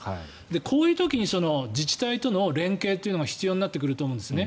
こういう時に自治体との連携というのが必要になってくると思うんですね。